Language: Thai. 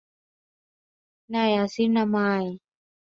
ไนอะซินาไมด์